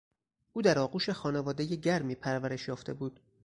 او در آغوش خانوادهی گرمی پرورش یافته بود.